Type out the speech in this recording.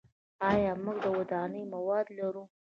آیا موږ د ودانیو مواد لرو؟